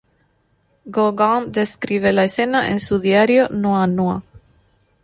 Gauguin describe la escena en su diario "Noa Noa".